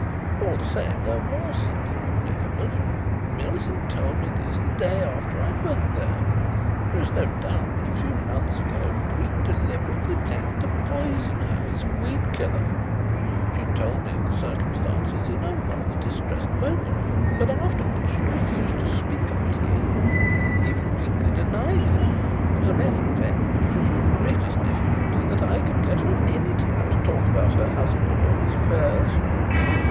All the same there was something more definite. Millicent told me this the day after I went there. There is no doubt that a few months ago Creake deliberately planned to poison her with some weed killer. She told me the circumstances in a rather distressed moment, but afterwards she refused to speak of it again even weakly denied it and, as a matter of fact, it was with the greatest of difficulty that I could get her at any time to talk about her husband or his affairs.